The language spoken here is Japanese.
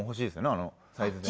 あのサイズでね